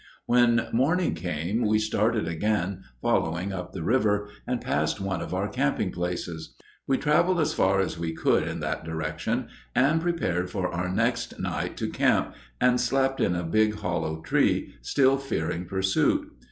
When morning came we started again, following up the river, and passed one of our camping places. We traveled as far as we could in that direction, and prepared for our next night to camp and slept in a big hollow tree, still fearing pursuit.